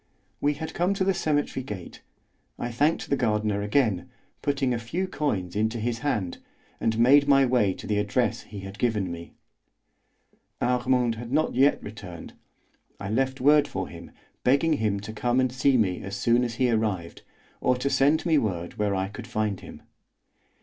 We had come to the cemetery gate. I thanked the gardener again, putting a few coins into his hand, and made my way to the address he had given me. Armand had not yet returned. I left word for him, begging him to come and see me as soon as he arrived, or to send me word where I could find him.